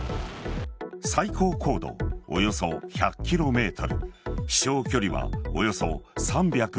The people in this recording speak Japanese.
最高高度およそ１００ｋｍ飛翔距離はおよそ３５０ｋｍ。